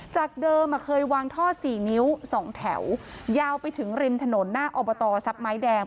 จากเดิมเคยวางท่อ๔นิ้ว๒แถวยาวไปถึงริมถนนหน้าอบตทรัพย์ไม้แดง